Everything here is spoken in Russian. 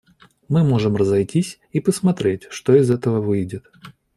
Мы можем разойтись и посмотреть, что из этого выйдет.